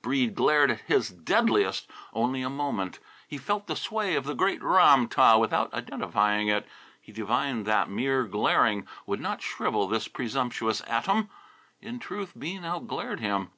Breede glared his deadliest only a moment. He felt the sway of the great Ram tah without identifying it. He divined that mere glaring would not shrivel this presumptuous atom. In truth, Bean outglared him.